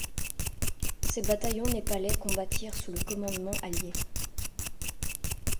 Ces bataillons népalais combattirent sous le commandement allié.